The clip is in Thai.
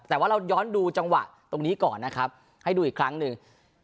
แต่ว่าเราย้อนดูจังหวะตรงนี้ก่อนนะครับให้ดูอีกครั้งหนึ่ง